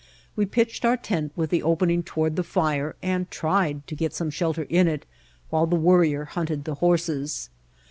We pitched our tent with the opening toward the fire and tried to get some shelter in it while the Worrier hunted the horses.